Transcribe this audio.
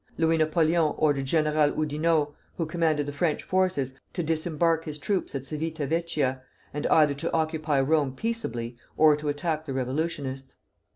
Louis Napoleon ordered General Oudinot, who commanded the French forces, to disembark his troops at Civita Vecchia, and either to occupy Rome peaceably, or to attack the revolutionists.